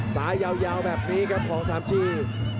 ซ้ายยาวแบบนี้ครับของซามจี